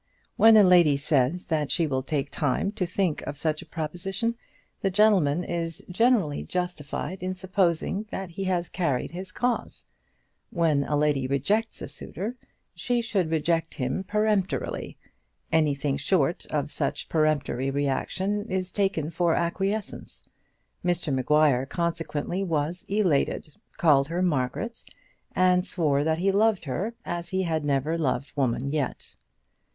When a lady says that she will take time to think of such a proposition, the gentleman is generally justified in supposing that he has carried his cause. When a lady rejects a suitor, she should reject him peremptorily. Anything short of such peremptory reaction is taken for acquiescence. Mr Maguire consequently was elated, called her Margaret, and swore that he loved her as he had never loved woman yet.